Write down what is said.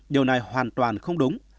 điều này hoàn toàn không đúng